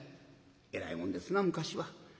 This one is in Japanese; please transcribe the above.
えらいもんですな昔は。